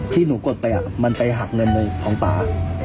ที่หนูกดไปมันไปหักเงินในของป่า